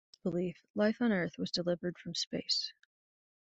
Under this belief, life on Earth was delivered from space.